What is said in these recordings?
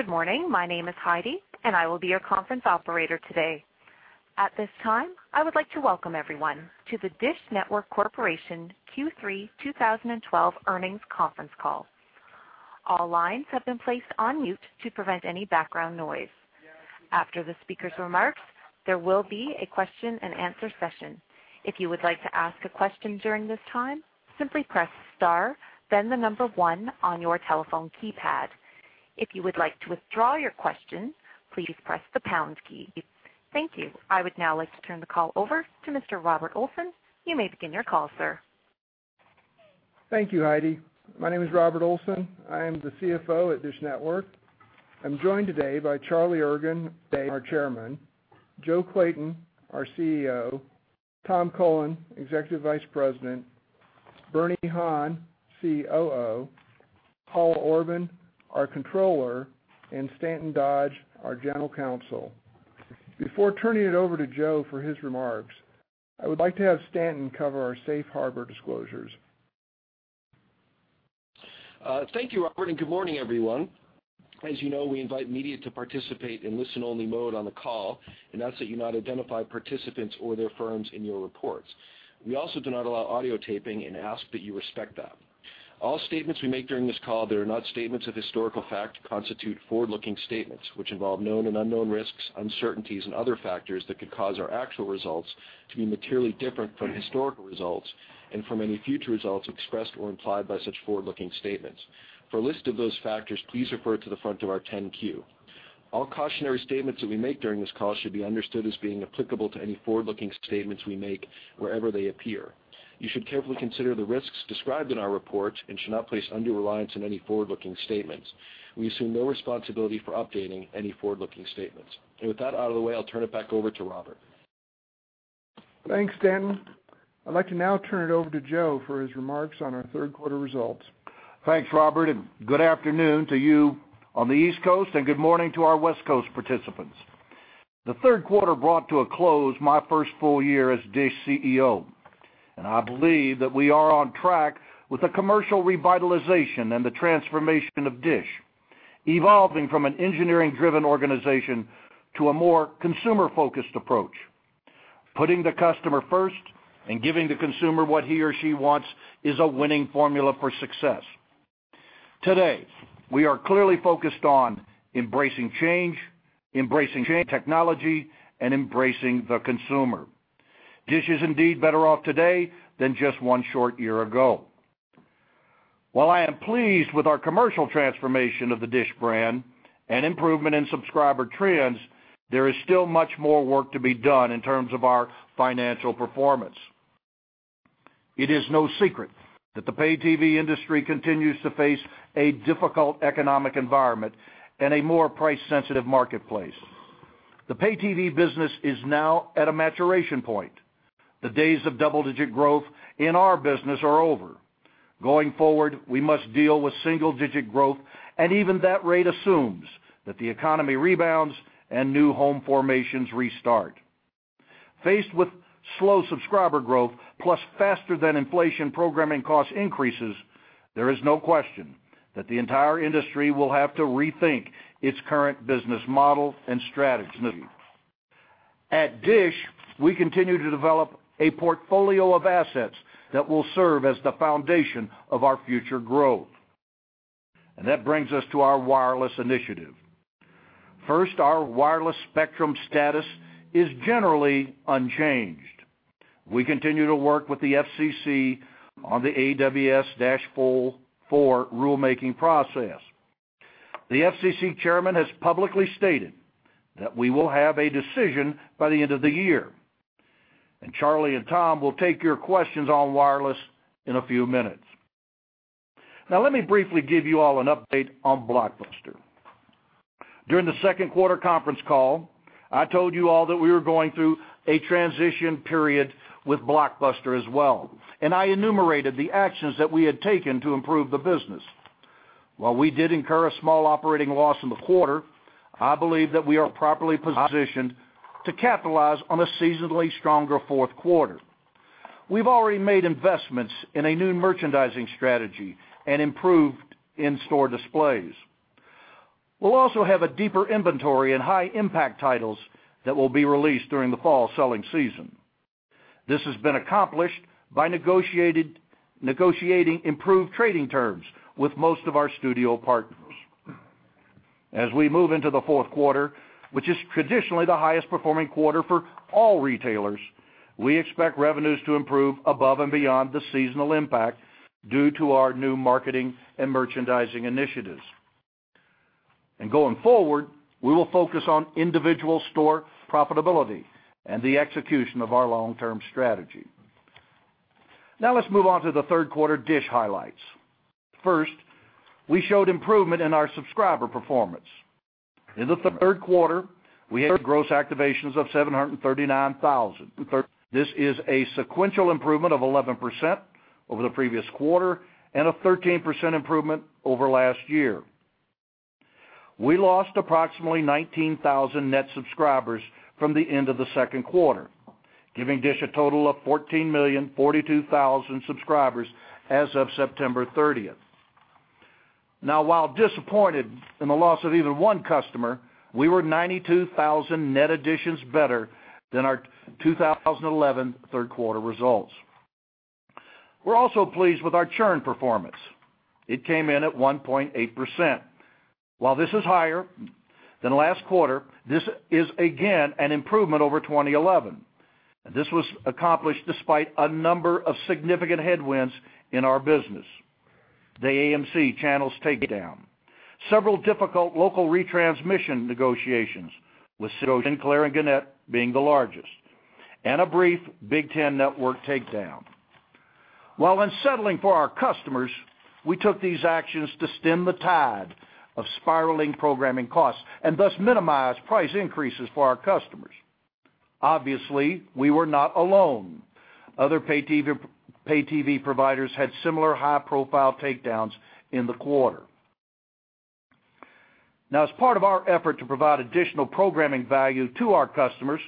Good morning. My name is Heidi, and I will be your conference operator today. At this time, I would like to welcome everyone to the DISH Network Corporation Q3 2012 Earnings Conference Call. All lines have been placed on mute to prevent any background noise. After the speaker's remarks, there will be a question-and-answer session. If you would like to ask a question during this time, simply press star then the number one on your telephone keypad. If you would like to withdraw your question, please press the pound key. Thank you. I would now like to turn the call over to Mr. Robert Olson. You may begin your call, sir. Thank you, Heidi. My name is Robert Olson. I am the CFO at DISH Network. I am joined today by Charlie Ergen, our Chairman, Joe Clayton, our CEO, Tom Cullen, Executive Vice President, Bernie Han, COO, Paul Orban, our Controller, and Stanton Dodge, our General Counsel. Before turning it over to Joe for his remarks, I would like to have Stanton cover our safe harbor disclosures. Thank you, Robert, and good morning, everyone. As you know, we invite media to participate in listen-only mode on the call, and ask that you not identify participants or their firms in your reports. We also do not allow audio taping and ask that you respect that. All statements we make during this call that are not statements of historical fact constitute forward-looking statements which involve known and unknown risks, uncertainties, and other factors that could cause our actual results to be materially different from historical results and from any future results expressed or implied by such forward-looking statements. For a list of those factors, please refer to the front of our 10-Q. All cautionary statements that we make during this call should be understood as being applicable to any forward-looking statements we make wherever they appear. You should carefully consider the risks described in our report and should not place undue reliance on any forward-looking statements. We assume no responsibility for updating any forward-looking statements. With that out of the way, I'll turn it back over to Robert. Thanks, Stanton. I'd like to now turn it over to Joe for his remarks on our third quarter results. Thanks, Robert, and good afternoon to you on the East Coast, and good morning to our West Coast participants. The third quarter brought to a close my first full year as DISH CEO, and I believe that we are on track with the commercial revitalization and the transformation of DISH, evolving from an engineering-driven organization to a more consumer-focused approach. Putting the customer first and giving the consumer what he or she wants is a winning formula for success. Today, we are clearly focused on embracing change, embracing change technology and embracing the consumer. DISH is indeed better off today than just one short year ago. While I am pleased with our commercial transformation of the DISH brand and improvement in subscriber trends, there is still much more work to be done in terms of our financial performance. It is no secret that the pay TV industry continues to face a difficult economic environment and a more price-sensitive marketplace. The pay TV business is now at a maturation point. The days of double-digit growth in our business are over. Going forward, we must deal with single-digit growth, and even that rate assumes that the economy rebounds and new home formations restart. Faced with slow subscriber growth plus faster than inflation programming cost increases, there is no question that the entire industry will have to rethink its current business model and strategies. At DISH, we continue to develop a portfolio of assets that will serve as the foundation of our future growth. That brings us to our wireless initiative. First, our wireless spectrum status is generally unchanged. We continue to work with the FCC on the AWS-4 rulemaking process. The FCC chairman has publicly stated that we will have a decision by the end of the year. Charlie and Tom will take your questions on wireless in a few minutes. Now, let me briefly give you all an update on Blockbuster. During the second quarter conference call, I told you all that we were going through a transition period with Blockbuster as well, and I enumerated the actions that we had taken to improve the business. While we did incur a small operating loss in the quarter, I believe that we are properly positioned to capitalize on a seasonally stronger fourth quarter. We've already made investments in a new merchandising strategy and improved in-store displays. We'll also have a deeper inventory and high impact titles that will be released during the fall selling season. This has been accomplished by negotiating improved trading terms with most of our studio partners. As we move into the fourth quarter, which is traditionally the highest performing quarter for all retailers, we expect revenues to improve above and beyond the seasonal impact due to our new marketing and merchandising initiatives. Going forward, we will focus on individual store profitability and the execution of our long-term strategy. Now let's move on to the third quarter DISH highlights. First, we showed improvement in our subscriber performance. In the third quarter, we had gross activations of 739,000. This is a sequential improvement of 11% over the previous quarter and a 13% improvement over last year. We lost approximately 19,000 net subscribers from the end of the second quarter. Giving DISH a total of 14,042,000 subscribers as of September 13th. While disappointed in the loss of even one customer, we were 92,000 net additions better than our 2011 third quarter results. We're also pleased with our churn performance. It came in at 1.8%. While this is higher than last quarter, this is again an improvement over 2011. This was accomplished despite a number of significant headwinds in our business. The AMC channel's takedown, several difficult local retransmission negotiations with Citadel, Sinclair, and Gannett being the largest, and a brief Big Ten Network takedown. While unsettling for our customers, we took these actions to stem the tide of spiraling programming costs and thus minimize price increases for our customers. Obviously, we were not alone. Other pay TV providers had similar high-profile takedowns in the quarter. As part of our effort to provide additional programming value to our customers,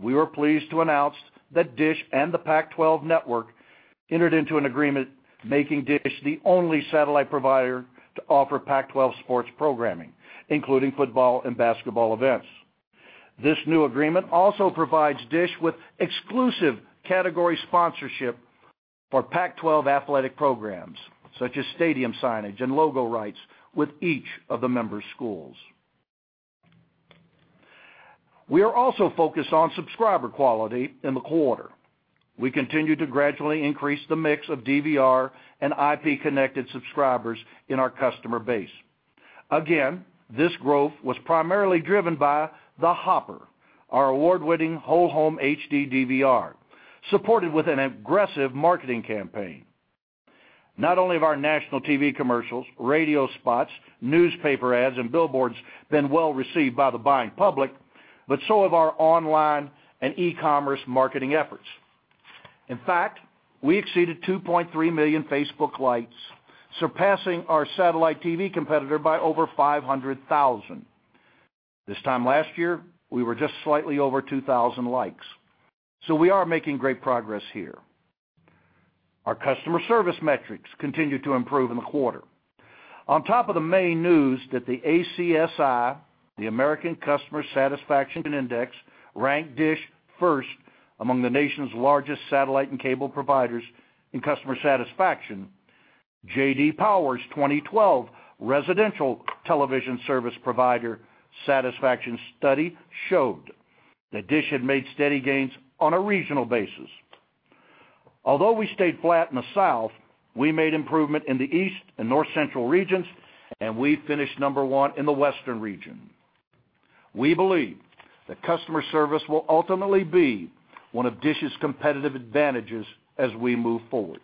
we were pleased to announce that DISH and the Pac-12 Network entered into an agreement making DISH the only satellite provider to offer Pac-12 sports programming, including football and basketball events. This new agreement also provides DISH with exclusive category sponsorship for Pac-12 athletic programs, such as stadium signage and logo rights with each of the member schools. We are also focused on subscriber quality in the quarter. We continue to gradually increase the mix of DVR and IP-connected subscribers in our customer base. Again, this growth was primarily driven by the Hopper, our award-winning whole home HD DVR, supported with an aggressive marketing campaign. Not only have our national TV commercials, radio spots, newspaper ads, and billboards been well-received by the buying public, but so have our online and e-commerce marketing efforts. We exceeded 2.3 million Facebook likes, surpassing our satellite TV competitor by over 500,000. This time last year, we were just slightly over 2,000 likes. We are making great progress here. Our customer service metrics continued to improve in the quarter. On top of the main news that the ACSI, the American Customer Satisfaction Index, ranked DISH first among the nation's largest satellite and cable providers in customer satisfaction, J.D. Power's 2012 Residential Television Service Provider Satisfaction Study showed that DISH had made steady gains on a regional basis. Although we stayed flat in the South, we made improvement in the East and North Central regions, and we finished number 1 in the Western region. We believe that customer service will ultimately be one of DISH's competitive advantages as we move forward.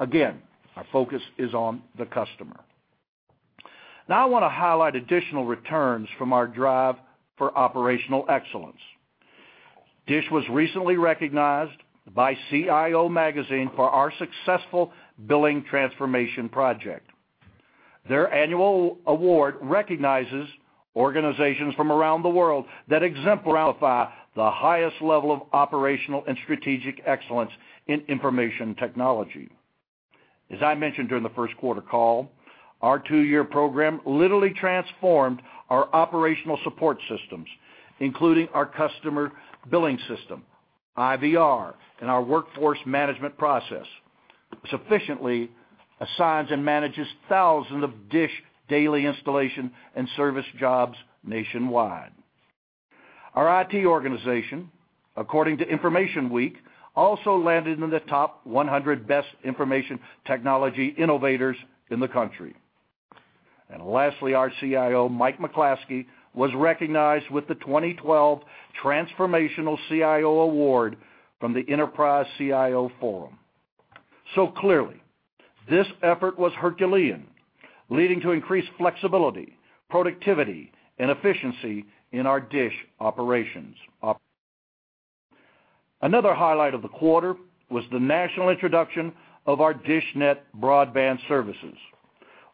Again, our focus is on the customer. I want to highlight additional returns from our drive for operational excellence. DISH was recently recognized by CIO Magazine for our successful billing transformation project. Their annual award recognizes organizations from around the world that exemplify the highest level of operational and strategic excellence in information technology. As I mentioned during the first quarter call, our two-year program literally transformed our operational support systems, including our customer billing system, IVR, and our workforce management process, sufficiently assigns and manages thousands of DISH daily installation and service jobs nationwide. Our IT organization, according to InformationWeek, also landed in the top 100 Best Information Technology Innovators in the country. Lastly, our CIO, Mike McClaskey, was recognized with the 2012 Transformational CIO Award from the Enterprise CIO Forum. Clearly, this effort was Herculean, leading to increased flexibility, productivity, and efficiency in our DISH operations. Another highlight of the quarter was the national introduction of our DishNET broadband services.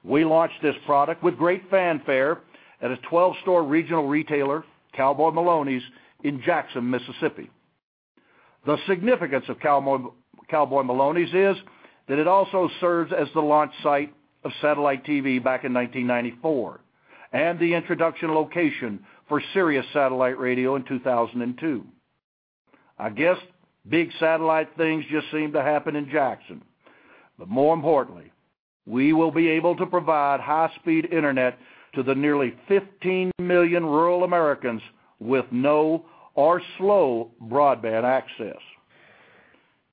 We launched this product with great fanfare at a 12-store regional retailer, Cowboy Maloney's, in Jackson, Mississippi. The significance of Cowboy Maloney's is that it also serves as the launch site of satellite TV back in 1994, and the introduction location for Sirius Satellite Radio in 2002. I guess big satellite things just seem to happen in Jackson. More importantly, we will be able to provide high-speed internet to the nearly 15 million rural Americans with no or slow broadband access.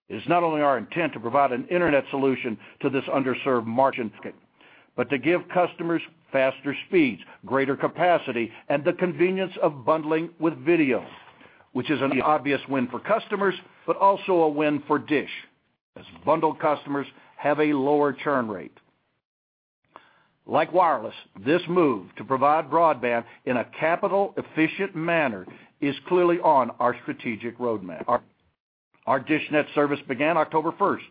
It's not only our intent to provide an internet solution to this underserved market, but to give customers faster speeds, greater capacity, and the convenience of bundling with video, which is an obvious win for customers, but also a win for DISH, as bundled customers have a lower churn rate. Like wireless, this move to provide broadband in a capital-efficient manner is clearly on our strategic roadmap. Our DishNET service began October 1st,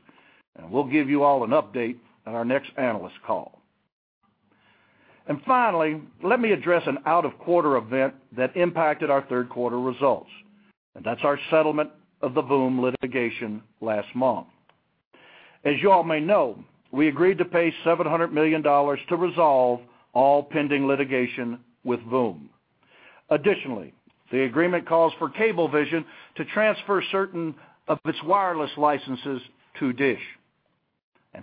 and we'll give you all an update on our next analyst call. Finally, let me address an out of quarter event that impacted our third quarter results. That's our settlement of the Voom litigation last month. As you all may know, we agreed to pay $700 million to resolve all pending litigation with Voom. Additionally, the agreement calls for Cablevision to transfer certain of its wireless licenses to DISH.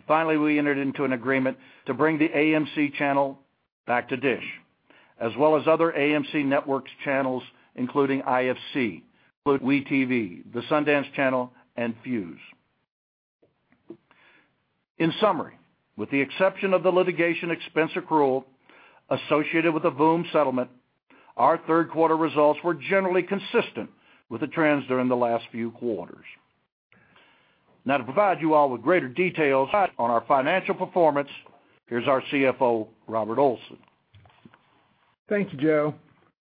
Finally, we entered into an agreement to bring the AMC channel back to DISH, as well as other AMC Networks channels, including IFC, WeTV, the Sundance Channel, and Fuse. In summary, with the exception of the litigation expense accrual associated with the Voom settlement, our third quarter results were generally consistent with the trends during the last few quarters. To provide you all with greater details on our financial performance, here's our CFO, Robert Olson. Thank you, Joe.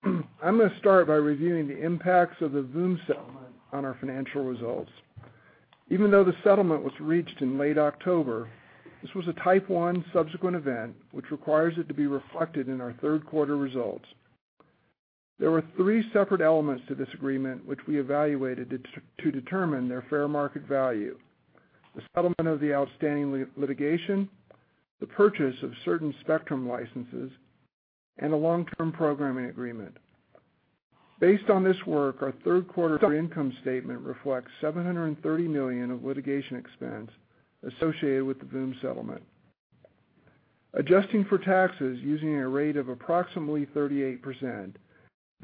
I'm going to start by reviewing the impacts of the Voom HD settlement on our financial results. Even though the settlement was reached in late October, this was a Type 1 subsequent event, which requires it to be reflected in our third quarter results. There were three separate elements to this agreement which we evaluated to determine their fair market value. The settlement of the outstanding litigation, the purchase of certain spectrum licenses, and a long-term programming agreement. Based on this work, our third quarter income statement reflects $730 million of litigation expense associated with the Voom settlement. Adjusting for taxes using a rate of approximately 38%,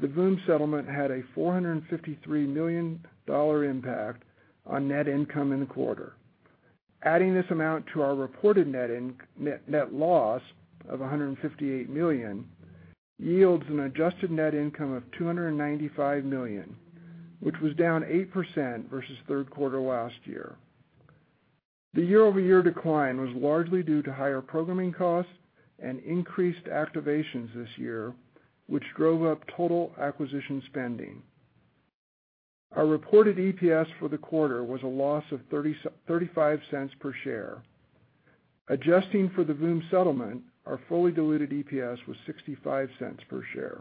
the Voom settlement had a $453 million impact on net income in the quarter. Adding this amount to our reported net loss of $158 million yields an adjusted net income of $295 million, which was down 8% versus third quarter last year. The year-over-year decline was largely due to higher programming costs and increased activations this year, which drove up total acquisition spending. Our reported EPS for the quarter was a loss of $0.35 per share. Adjusting for the Voom settlement, our fully diluted EPS was $0.65 per share.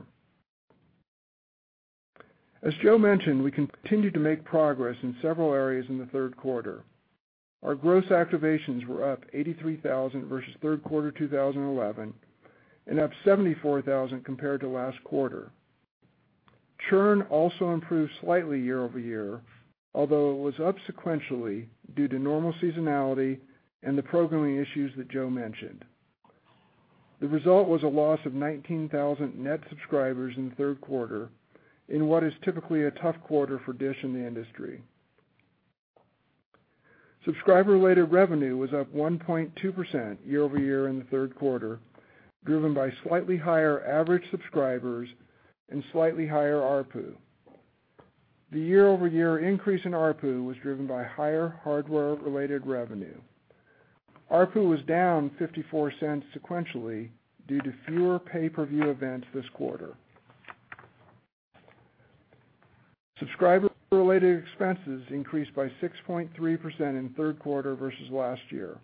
As Joe mentioned, we continued to make progress in several areas in the third quarter. Our gross activations were up 83,000 versus third quarter 2011, and up 74,000 compared to last quarter. Churn also improved slightly year-over-year, although it was up sequentially due to normal seasonality and the programming issues that Joe mentioned. The result was a loss of 19,000 net subscribers in the third quarter in what is typically a tough quarter for DISH in the industry. Subscriber-related revenue was up 1.2% year-over-year in the third quarter, driven by slightly higher average subscribers and slightly higher ARPU. The year-over-year increase in ARPU was driven by higher hardware-related revenue. ARPU was down $0.54 sequentially due to fewer pay-per-view events this quarter. Subscriber-related expenses increased by 6.3% in third quarter versus last year.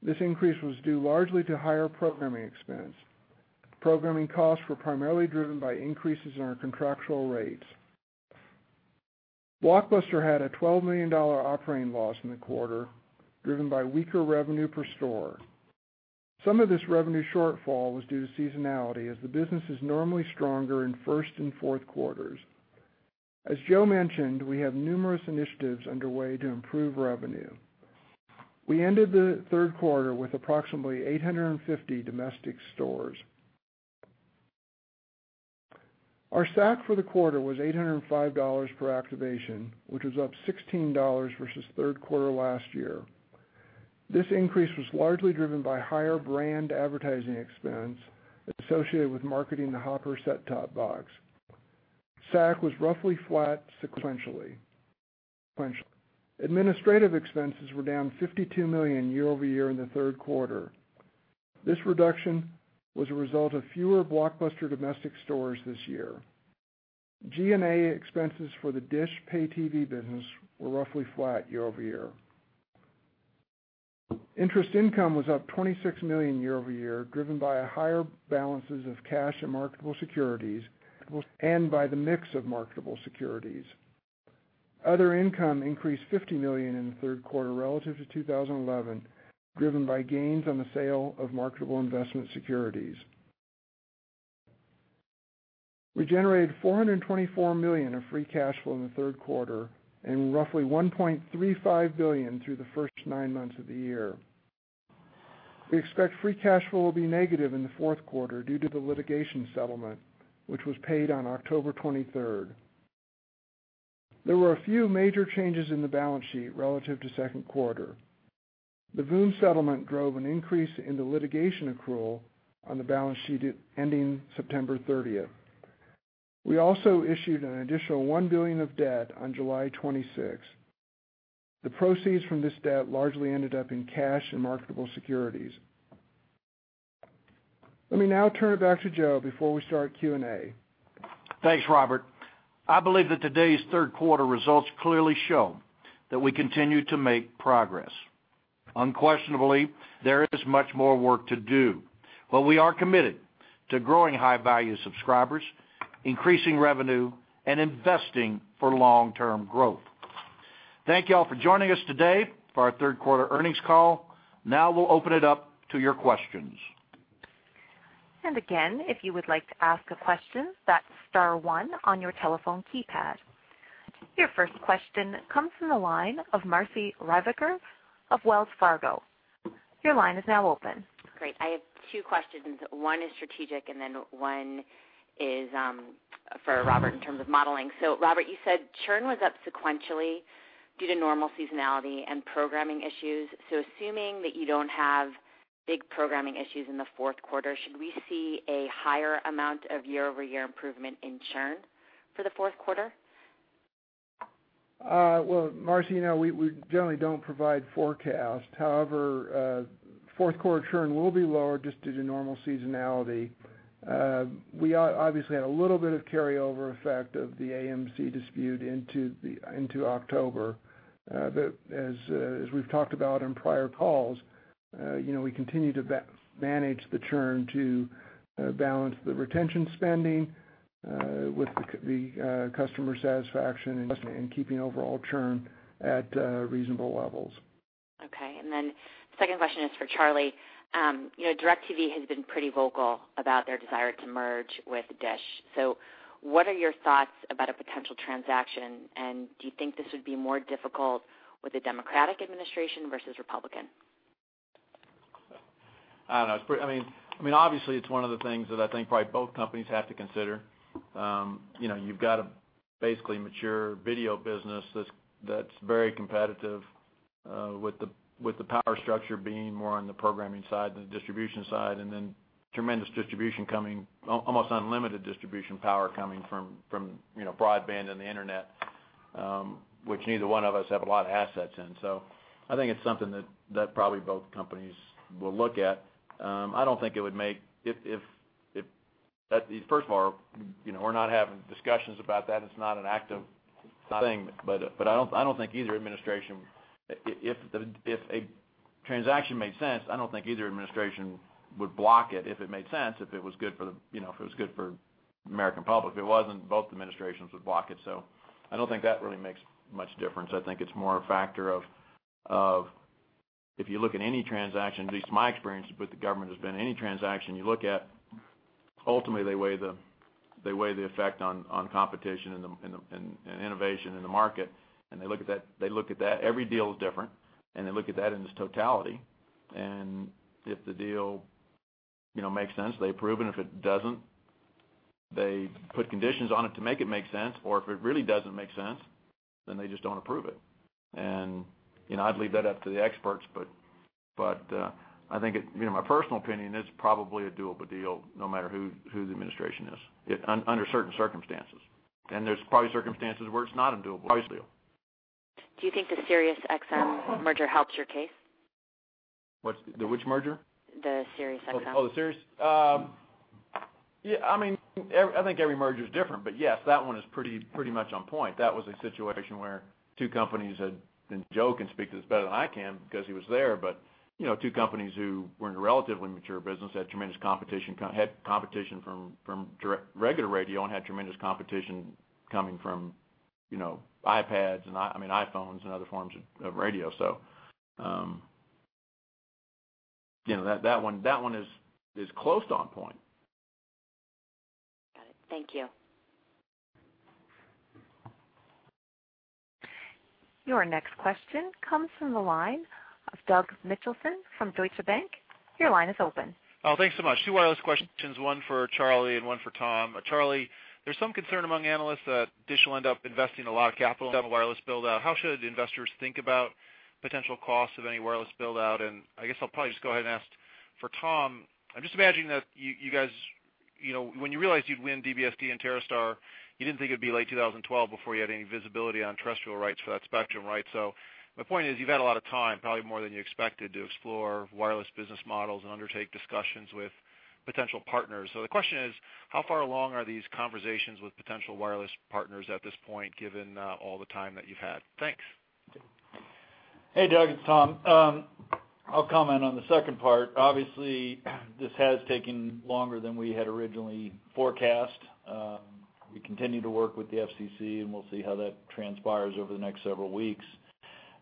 This increase was due largely to higher programming expense. Programming costs were primarily driven by increases in our contractual rates. Blockbuster had a $12 million operating loss in the quarter, driven by weaker revenue per store. Some of this revenue shortfall was due to seasonality, as the business is normally stronger in first and fourth quarters. As Joe mentioned, we have numerous initiatives underway to improve revenue. We ended the third quarter with approximately 850 domestic stores. Our SAC for the quarter was $805 per activation, which was up $16 versus third quarter last year. This increase was largely driven by higher brand advertising expense associated with marketing the Hopper set-top box. SAC was roughly flat sequentially. Administrative expenses were down $52 million year-over-year in the third quarter. This reduction was a result of fewer Blockbuster domestic stores this year. G&A expenses for the DISH pay-TV business were roughly flat year-over-year. Interest income was up $26 million year-over-year, driven by a higher balances of cash and marketable securities, and by the mix of marketable securities. Other income increased $50 million in the third quarter relative to 2011, driven by gains on the sale of marketable investment securities. We generated $424 million of free cash flow in the third quarter and roughly $1.35 billion through the first 9 months of the year. We expect free cash flow will be negative in the fourth quarter due to the litigation settlement, which was paid on October 23rd. There were a few major changes in the balance sheet relative to second quarter. The Voom settlement drove an increase in the litigation accrual on the balance sheet ending September 30th. We issued an additional $1 billion of debt on July 26th. The proceeds from this debt largely ended up in cash and marketable securities. Let me now turn it back to Joe before we start Q&A. Thanks, Robert. I believe that today's third quarter results clearly show that we continue to make progress. Unquestionably, there is much more work to do, but we are committed to growing high-value subscribers, increasing revenue, and investing for long-term growth. Thank you all for joining us today for our third quarter earnings call. Now we'll open it up to your questions. Again, if you would like to ask a question, that's star one on your telephone keypad. Your first question comes from the line of Marci Ryvicker of Wells Fargo. Your line is now open. Great. I have two questions. One is strategic, one is for Robert in terms of modeling. Robert, you said churn was up sequentially due to normal seasonality and programming issues. Assuming that you don't have big programming issues in the fourth quarter, should we see a higher amount of year-over-year improvement in churn for the fourth quarter? Well, Marci, you know, we generally don't provide forecast. Fourth quarter churn will be lower just due to normal seasonality. We obviously had a little bit of carryover effect of the AMC dispute into October. As we've talked about on prior calls, you know, we continue to manage the churn to balance the retention spending with the customer satisfaction and keeping overall churn at reasonable levels. Okay. Second question is for Charlie. You know, DIRECTV has been pretty vocal about their desire to merge with DISH. What are your thoughts about a potential transaction, and do you think this would be more difficult with a Democratic administration versus Republican? I don't know. It's I mean, obviously, it's one of the things that I think probably both companies have to consider. You know, you've got a basically mature video business that's very competitive with the, with the power structure being more on the programming side than the distribution side, and then tremendous distribution coming, almost unlimited distribution power coming from, you know, broadband and the Internet, which neither one of us have a lot of assets in. I think it's something that probably both companies will look at. At least, first of all, you know, we're not having discussions about that. It's not an active thing. I don't think either administration if a transaction made sense, I don't think either administration would block it if it made sense, if it was good for the, you know, if it was good for American public. If it wasn't, both administrations would block it. I don't think that really makes much difference. I think it's more a factor of if you look at any transaction, at least my experience with the government has been any transaction you look at, ultimately they weigh the effect on competition and innovation in the market, and they look at that. Every deal is different, they look at that in its totality. If the deal, you know, makes sense, they approve it. If it doesn't, they put conditions on it to make it make sense. If it really doesn't make sense, then they just don't approve it. You know, I'd leave that up to the experts, but, I think it, you know, my personal opinion, it's probably a doable deal, no matter who the administration is, it under certain circumstances. There's probably circumstances where it's not a doable deal. Do you think the Sirius XM merger helps your case? What's the Which merger? The Sirius XM. The Sirius? Yeah, I mean, I think every merger is different. Yes, that one is pretty much on point. That was a situation where two companies had. Joe can speak to this better than I can because he was there. You know, two companies who were in a relatively mature business, had tremendous competition, had competition from regular radio and had tremendous competition coming from, you know, iPads and I mean iPhones and other forms of radio. You know, that one is close to on point. Got it. Thank you. Your next question comes from the line of Doug Mitchelson from Deutsche Bank. Your line is open. Thanks so much. Two wireless questions, one for Charlie and one for Tom. Charlie, there's some concern among analysts that DISH Network will end up investing a lot of capital to have a wireless build out. How should investors think about potential costs of any wireless build out? I guess I'll probably just go ahead and ask for Tom. I'm just imagining that you guys, you know, when you realized you'd win DBSD and TerreStar, you didn't think it'd be late 2012 before you had any visibility on terrestrial rights for that spectrum right? My point is, you've had a lot of time, probably more than you expected, to explore wireless business models and undertake discussions with potential partners. The question is, how far along are these conversations with potential wireless partners at this point, given all the time that you've had? Thanks. Hey, Doug, it's Tom. I'll comment on the second part. Obviously, this has taken longer than we had originally forecast. We continue to work with the FCC, and we'll see how that transpires over the next several weeks.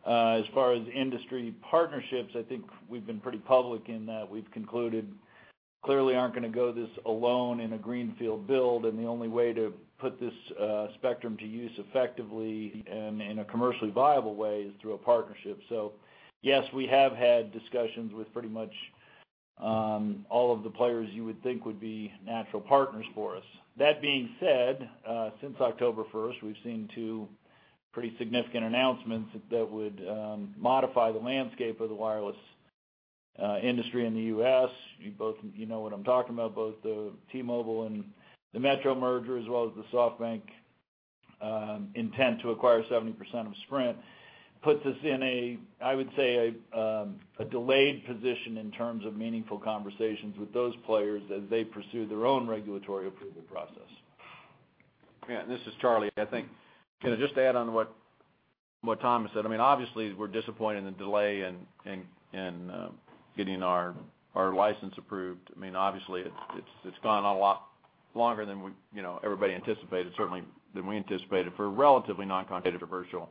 As far as industry partnerships, I think we've been pretty public in that we've concluded clearly aren't gonna go this alone in a greenfield build and the only way to put this spectrum to use effectively and in a commercially viable way is through a partnership. Yes, we have had discussions with pretty much all of the players you would think would be natural partners for us. That being said, since October first, we've seen two pretty significant announcements that would modify the landscape of the wireless industry in the U.S. You both, you know what I'm talking about, both the T-Mobile and the Metro merger, as well as the SoftBank. Intent to acquire 70% of Sprint puts us in a, I would say, a delayed position in terms of meaningful conversations with those players as they pursue their own regulatory approval process. Yeah, this is Charlie. I think, can I just add on what Tom said? I mean, obviously we're disappointed in the delay in getting our license approved. I mean, obviously it's gone on a lot longer than we, you know, everybody anticipated, certainly than we anticipated for a relatively non-contested reversal.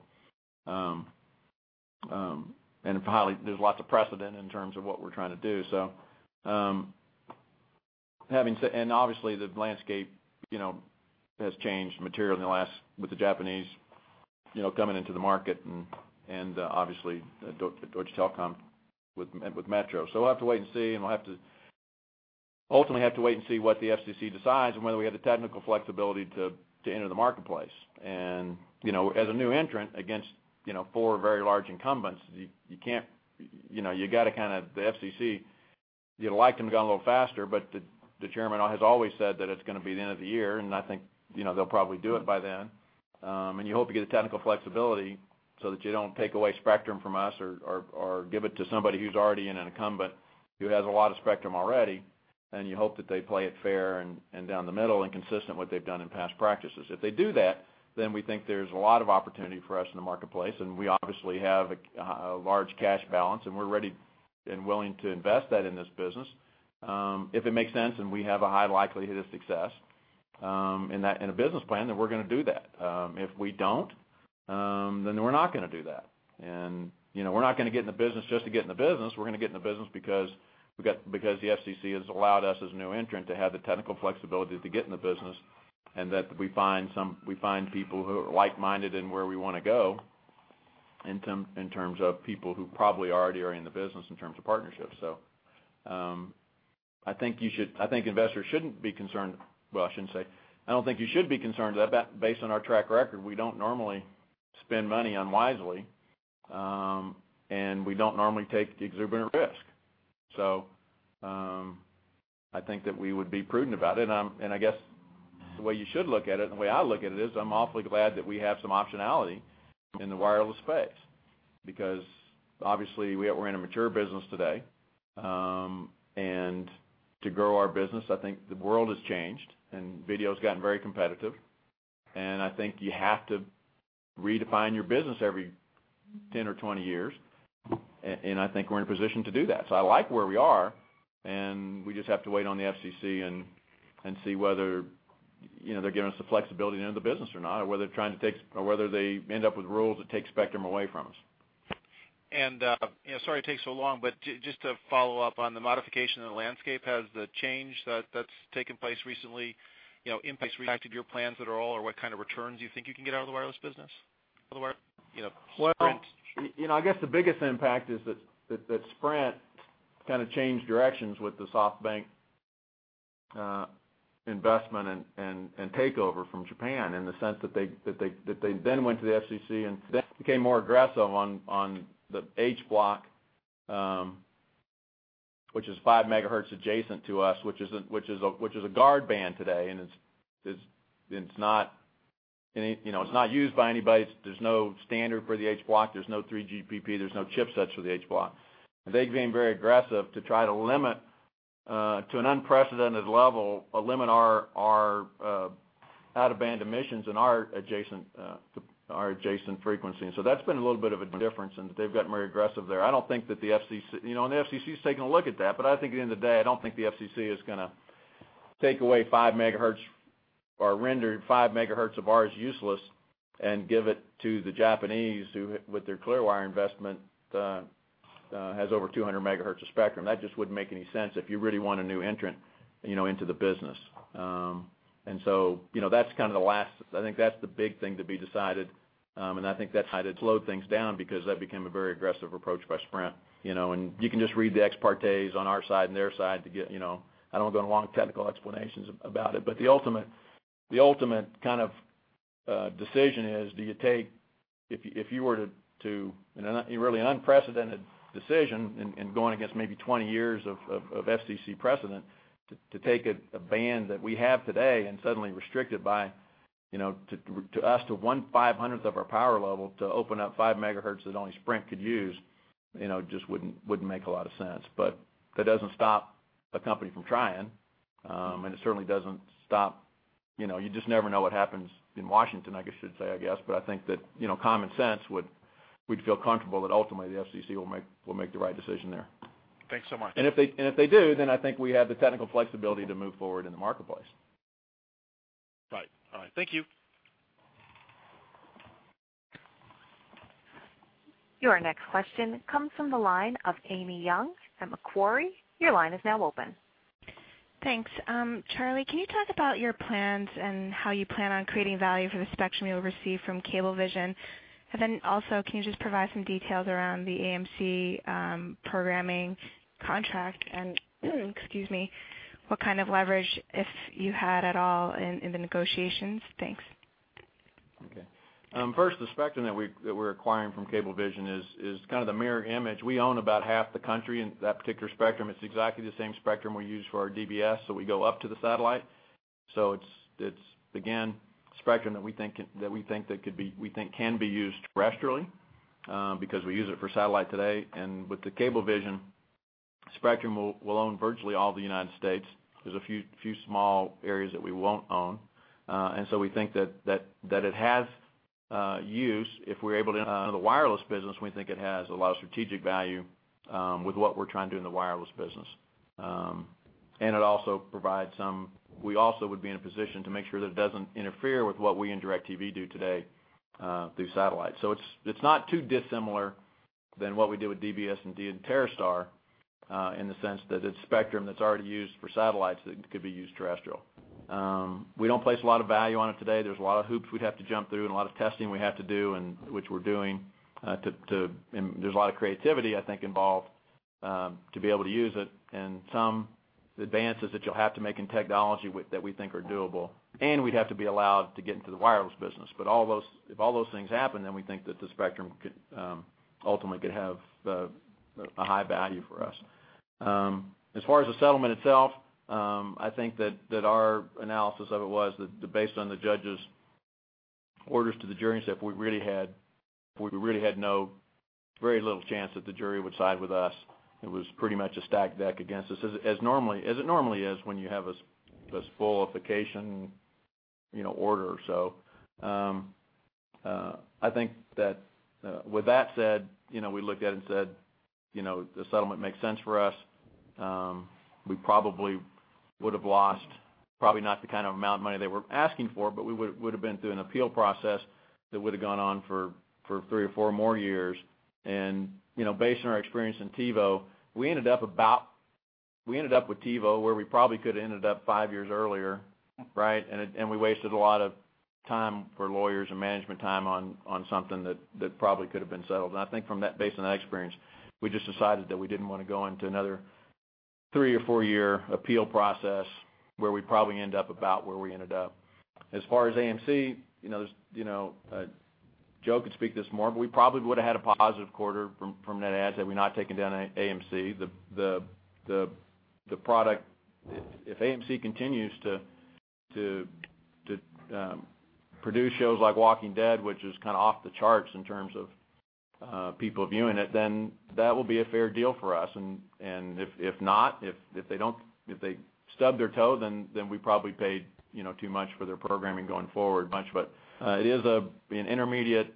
Probably there's lots of precedent in terms of what we're trying to do. Having said, obviously the landscape, you know, has changed materially in the last with the Japanese, you know, coming into the market and obviously Deutsche Telekom with Metro. We'll have to wait and see, and we'll have to ultimately have to wait and see what the FCC decides and whether we have the technical flexibility to enter the marketplace. You know, as a new entrant against, you know, four very large incumbents, you can't. You know, the FCC, you'd like them to go a little faster, but the Chairman has always said that it's gonna be the end of the year, and I think, you know, they'll probably do it by then. You hope to get the technical flexibility so that you don't take away spectrum from us or give it to somebody who's already an incumbent, who has a lot of spectrum already. You hope that they play it fair and down the middle and consistent what they've done in past practices. If they do that, then we think there's a lot of opportunity for us in the marketplace, and we obviously have a large cash balance, and we're ready and willing to invest that in this business. If it makes sense and we have a high likelihood of success, in a business plan, then we're gonna do that. If we don't, then we're not gonna do that. You know, we're not gonna get in the business just to get in the business. We're gonna get in the business because the FCC has allowed us as a new entrant to have the technical flexibility to get in the business, and that we find some, we find people who are like-minded in where we wanna go in terms of people who probably already are in the business in terms of partnerships, so. I think investors shouldn't be concerned. Well, I shouldn't say. I don't think you should be concerned. That based on our track record, we don't normally spend money unwisely, and we don't normally take exuberant risk. I think that we would be prudent about it. I guess the way you should look at it, and the way I look at it is, I'm awfully glad that we have some optionality in the wireless space because obviously we're in a mature business today. To grow our business, I think the world has changed, and video's gotten very competitive. I think you have to redefine your business every 10 or 20 years. I think we're in a position to do that. I like where we are, and we just have to wait on the FCC and see whether, you know, they're giving us the flexibility to enter the business or not, or whether they're trying to take, or whether they end up with rules that take spectrum away from us. You know, sorry it takes so long, but just to follow up on the modification of the landscape, has the change that's taken place recently, you know, impacted your plans at all, or what kind of returns you think you can get out of the wireless business? Other wire, you know, Sprint. Well, you know, I guess the biggest impact is that Sprint kind of changed directions with the SoftBank investment and takeover from Japan in the sense that they then went to the FCC and then became more aggressive on the H Block, which is 5 Mhz adjacent to us, which is a guard band today. It's not any, you know, it's not used by anybody. There's no standard for the H Block. There's no 3GPP. There's no chipsets for the H Block. They've been very aggressive to try to limit to an unprecedented level, eliminate our out-of-band emissions in our adjacent frequency. That's been a little bit of a difference, and they've gotten very aggressive there. I don't think that the FCC. You know, and the FCC is taking a look at that, but I think at the end of the day, I don't think the FCC is going to take away 5 MHz or render 5 MHz of ours useless and give it to the Japanese who, with their Clearwire investment, has over 200 MHz of spectrum. That just wouldn't make any sense if you really want a new entrant, you know, into the business. You know, I think that's the big thing to be decided. I think that's how to slow things down because that became a very aggressive approach by Sprint, you know. You can just read the ex partes on our side and their side to get, you know, I don't want to go on long technical explanations about it. The ultimate, the ultimate kind of decision is do you take, if you were to, in a really unprecedented decision and going against maybe 20 years of FCC precedent, to take a band that we have today and suddenly restrict it by, you know, to us to one five-hundredth of our power level to open up five MHz that only Sprint could use, you know, just wouldn't make a lot of sense. That doesn't stop a company from trying. It certainly doesn't stop, you know, you just never know what happens in Washington, I guess you'd say, I guess. I think that, you know, common sense, we'd feel comfortable that ultimately the FCC will make the right decision there. Thanks so much. If they do, then I think we have the technical flexibility to move forward in the marketplace. Right. All right. Thank you. Your next question comes from the line of Amy Yong from Macquarie. Your line is now open. Thanks. Charlie, can you talk about your plans and how you plan on creating value for the spectrum you'll receive from Cablevision? Then also, can you just provide some details around the AMC programming contract and, excuse me, what kind of leverage, if you had at all in the negotiations? Thanks. Okay. First, the spectrum that we're acquiring from Cablevision is kind of the mirror image. We own about half the country in that particular spectrum. It's exactly the same spectrum we use for our DBS. It's again, spectrum that we think can be used terrestrially, because we use it for satellite today. With the Cablevision spectrum, we'll own virtually all of the United States. There's a few small areas that we won't own. We think that it has use. The wireless business, we think it has a lot of strategic value, with what we're trying to do in the wireless business. It also would be in a position to make sure that it doesn't interfere with what we and DIRECTV do today through satellite. It's not too dissimilar than what we did with DBS and TerreStar in the sense that it's spectrum that's already used for satellites that could be used terrestrial. We don't place a lot of value on it today. There's a lot of hoops we'd have to jump through and a lot of testing we have to do and which we're doing. There's a lot of creativity, I think, involved to be able to use it. Some advances that you'll have to make in technology that we think are doable. We'd have to be allowed to get into the wireless business. If all those things happen, then we think that the spectrum could ultimately have a high value for us. As far as the settlement itself, I think that our analysis of it was that based on the judge's orders to the jury and stuff, we really had very little chance that the jury would side with us. It was pretty much a stacked deck against us as normally, as it normally is when you have a spoliation, you know, order. I think that with that said, you know, we looked at it and said, you know, the settlement makes sense for us. We probably would've lost probably not the kind of amount of money they were asking for, but we would've been through an appeal process that would've gone on for three or four more years. You know, based on our experience in TiVo, we ended up with TiVo where we probably could've ended up five years earlier, right? We wasted a lot of time for lawyers and management time on something that probably could've been settled. I think from that, based on that experience, we just decided that we didn't wanna go into another three or four-year appeal process where we'd probably end up about where we ended up. As far as AMC, you know, there's, you know, Joe could speak to this more, but we probably would've had a positive quarter from net ads had we not taken down AMC. The product If AMC continues to produce shows like The Walking Dead, which is kind of off the charts in terms of people viewing it, then that will be a fair deal for us. If not, if they don't, if they stub their toe, then we probably paid, you know, too much for their programming going forward much. It is an intermediate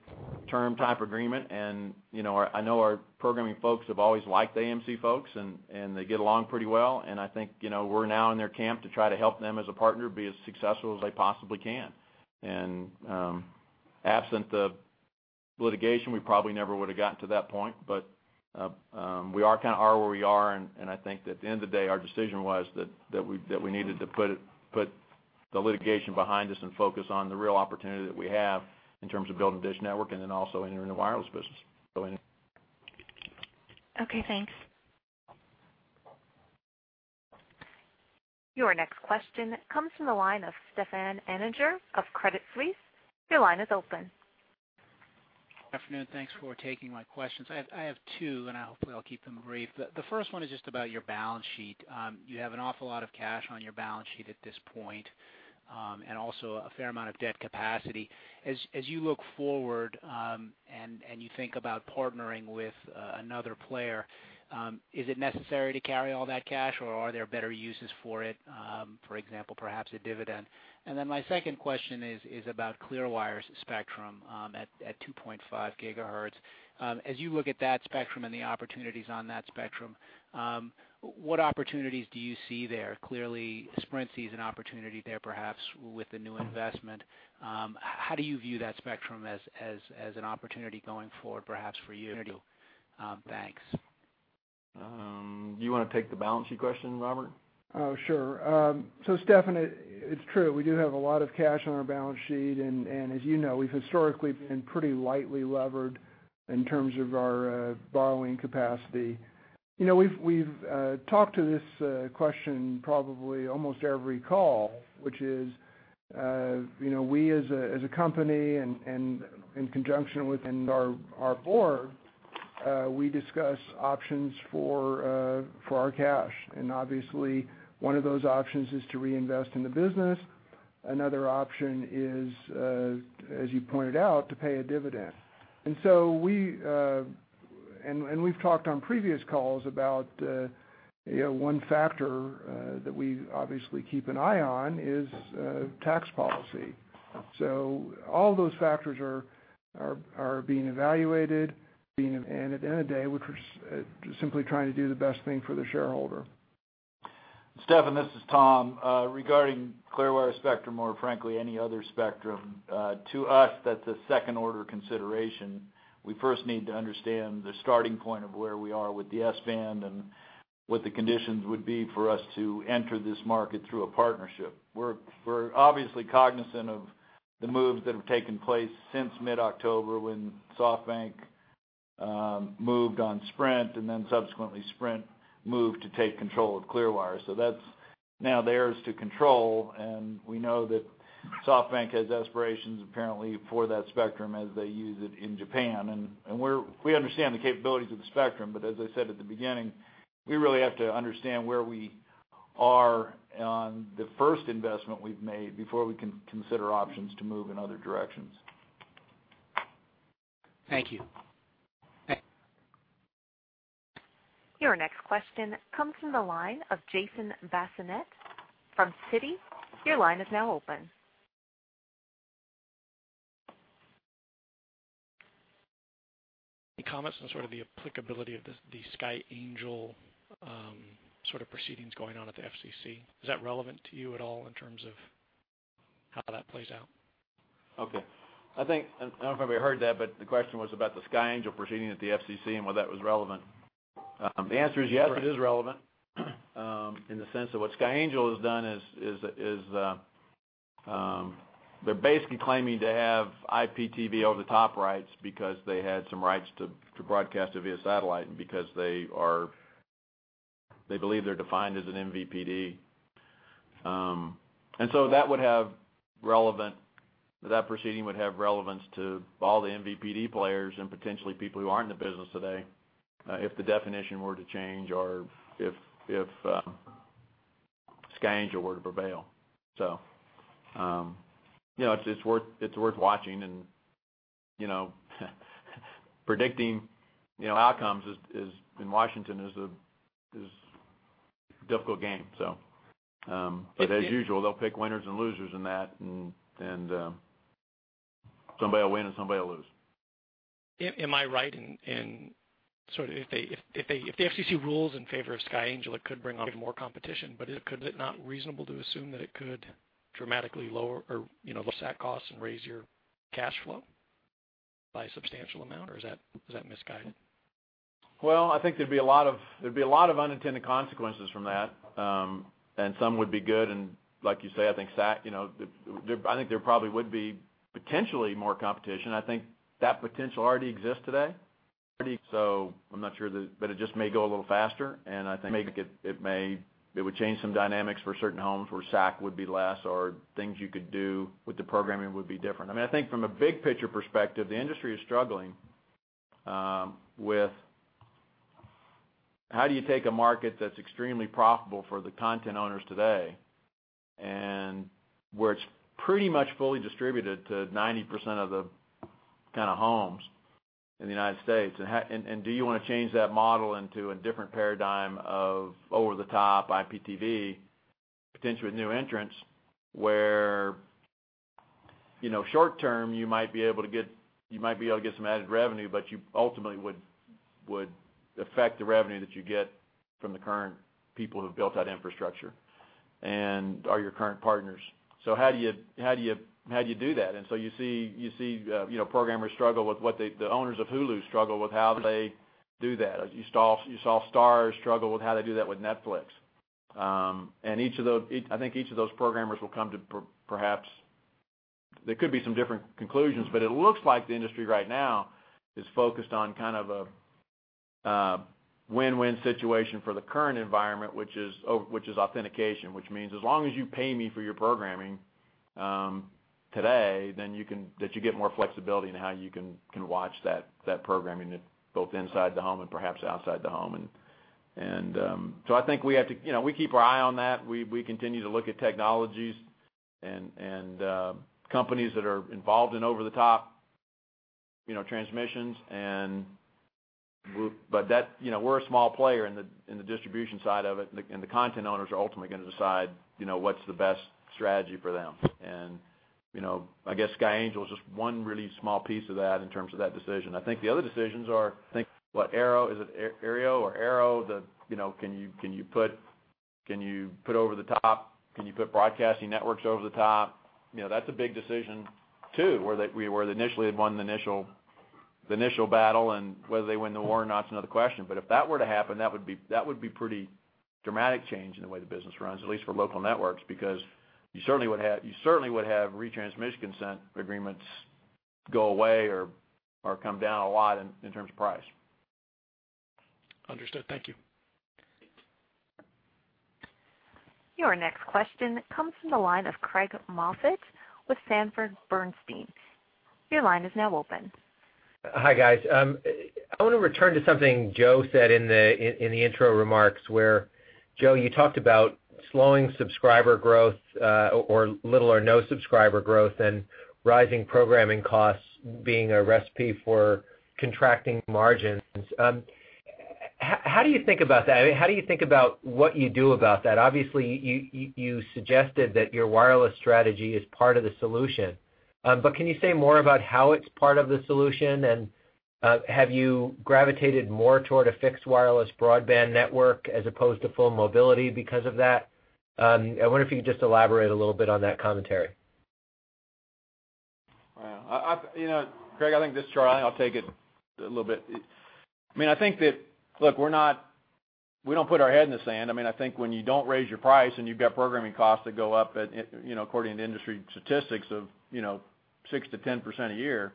term type agreement and, you know, I know our programming folks have always liked the AMC folks and they get along pretty well. I think, you know, we're now in their camp to try to help them as a partner be as successful as they possibly can. Absent the litigation, we probably never would've gotten to that point. We are kind of are where we are and I think that at the end of the day, our decision was that we needed to put the litigation behind us and focus on the real opportunity that we have in terms of building DISH Network and then also entering the wireless business. Okay, thanks. Your next question comes from the line of Stefan Anninger of Credit Suisse. Your line is open. Afternoon. Thanks for taking my questions. I have two, and I hopefully I'll keep them brief. The first one is just about your balance sheet. You have an awful lot of cash on your balance sheet at this point, and also a fair amount of debt capacity. As you look forward, and you think about partnering with another player, is it necessary to carry all that cash, or are there better uses for it, for example, perhaps a dividend? My second question is about Clearwire's spectrum at 2.5 GHz. As you look at that spectrum and the opportunities on that spectrum, what opportunities do you see there? Clearly Sprint sees an opportunity there, perhaps with a new investment. How do you view that spectrum as an opportunity going forward perhaps for you? Thanks. Do you wanna take the balance sheet question, Robert? Oh, sure. Stefan, it's true. We do have a lot of cash on our balance sheet and as you know, we've historically been pretty lightly levered in terms of our borrowing capacity. You know, we've talked to this question probably almost every call, which is, you know, we as a company and in conjunction with our Board, we discuss options for our cash. Obviously one of those options is to reinvest in the business. Another option is, as you pointed out, to pay a dividend. We've talked on previous calls about, you know, one factor that we obviously keep an eye on is tax policy. All those factors are being evaluated. At the end of the day, we're just simply trying to do the best thing for the shareholder. Stefan, this is Tom. Regarding Clearwire spectrum or frankly any other spectrum, to us, that's a second order consideration. We first need to understand the starting point of where we are with the S-band and what the conditions would be for us to enter this market through a partnership. We're obviously cognizant of the moves that have taken place since mid-October when SoftBank moved on Sprint, subsequently Sprint moved to take control of Clearwire. That's now theirs to control, and we know that SoftBank has aspirations apparently for that spectrum as they use it in Japan. We understand the capabilities of the spectrum, but as I said at the beginning, we really have to understand where we are on the first investment we've made before we can consider options to move in other directions. Thank you. Your next question comes from the line of Jason Bazinet from Citi. Your line is now open. Any comments on sort of the applicability of the Sky Angel, sort of proceedings going on at the FCC? Is that relevant to you at all in terms of how that plays out? Okay. I think I don't know if everybody heard that, but the question was about the Sky Angel proceeding at the FCC and whether that was relevant. The answer is yes, it is relevant, in the sense of what Sky Angel has done is, they're basically claiming to have IPTV over-the-top rights because they had some rights to broadcast it via satellite and because they believe they're defined as an MVPD. That proceeding would have relevance to all the MVPD players and potentially people who aren't in the business today, if the definition were to change or if Sky Angel were to prevail. You know, it's worth watching and, you know, predicting outcomes is in Washington is a difficult game. As usual, they'll pick winners and losers in that and somebody will win and somebody will lose. Am I right in sort of if the FCC rules in favor of Sky Angel, it could bring on even more competition, could it not reasonable to assume that it could dramatically lower or, you know, lower SAT costs and raise your cash flow by a substantial amount or is that misguided? I think there'd be a lot of unintended consequences from that, and some would be good and like you say, I think SAT, you know, there, I think there probably would be potentially more competition. I think that potential already exists today. I'm not sure that it just may go a little faster, and I think it would change some dynamics for certain homes where SAC would be less or things you could do with the programming would be different. I mean, I think from a big picture perspective, the industry is struggling with how do you take a market that's extremely profitable for the content owners today and where it's pretty much fully distributed to 90% of the kind of homes in the U.S., and do you wanna change that model into a different paradigm of over-the-top IPTV, potentially with new entrants, where, you know, short term, you might be able to get some added revenue, but you ultimately would affect the revenue that you get from the current people who've built that infrastructure and are your current partners. How do you do that? You see, you know, programmers struggle with the owners of Hulu struggle with how they do that. You saw Starz struggle with how they do that with Netflix. I think each of those programmers will come to perhaps There could be some different conclusions, but it looks like the industry right now is focused on kind of a win-win situation for the current environment, which is authentication, which means as long as you pay me for your programming, today, then you get more flexibility in how you can watch that programming both inside the home and perhaps outside the home. I think we have to, you know, we keep our eye on that. We continue to look at technologies and companies that are involved in over-the-top, you know, transmissions. That, you know, we're a small player in the distribution side of it, and the content owners are ultimately gonna decide, you know, what's the best strategy for them. You know, I guess Sky Angel is just one really small piece of that in terms of that decision. I think the other decisions are what Aereo, is it Aereo or Aereo? You know, can you put broadcasting networks over the top? You know, that's a big decision, too, where they initially had won the initial battle and whether they win the war or not is another question. If that were to happen, that would be pretty dramatic change in the way the business runs, at least for local networks, because you certainly would have retransmission consent agreements go away or come down a lot in terms of price. Understood. Thank you. Your next question comes from the line of Craig Moffett with Sanford Bernstein. Your line is now open. Hi, guys. I wanna return to something Joe said in the intro remarks where, Joe, you talked about slowing subscriber growth, or little or no subscriber growth and rising programming costs being a recipe for contracting margins. How do you think about that? I mean, how do you think about what you do about that? Obviously, you suggested that your wireless strategy is part of the solution. Can you say more about how it's part of the solution and have you gravitated more toward a fixed wireless broadband network as opposed to full mobility because of that? I wonder if you could just elaborate a little bit on that commentary. Well, you know, Craig, I think this chart, I'll take it a little bit. I mean, I think that Look, we don't put our head in the sand. I mean, I think when you don't raise your price and you've got programming costs that go up at, you know, according to industry statistics of, you know, 6%-10% a year,